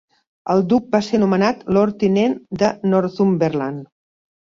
El duc va ser nomenat Lord Tinent de Northumberland.